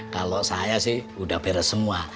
kalau saya sih udah beres semua